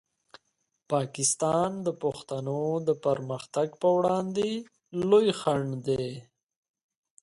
پاکستان د پښتنو د پرمختګ په وړاندې لوی خنډ دی.